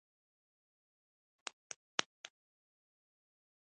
هغې وویل چې د شريف ماما د خبرو په اورېدو ټول راضي شول